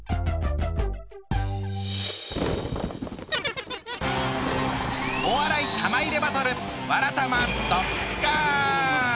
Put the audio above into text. そしてお笑い玉入れバトル